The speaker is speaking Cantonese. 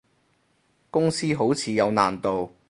公司好似有難度